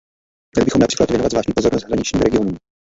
Měli bychom například věnovat zvláštní pozornost hraničním regionům.